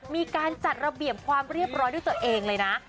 มีการจัดระเบียบความเรียบร้อยด้วยตัวเองเลยนะ